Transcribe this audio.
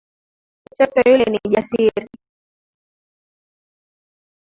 Mtoto yule ni jasiri.